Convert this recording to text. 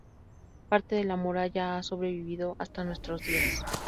Parte de la muralla ha sobrevivido hasta nuestros días.